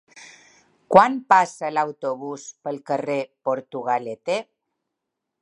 Quan passa l'autobús pel carrer Portugalete?